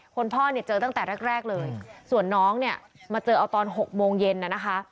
คนพ่อเจอตั้งแต่แรกเลยส่วนน้องมาเจอเอาตอน๖โมงเย็นนะคะ